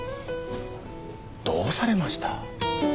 どうされました？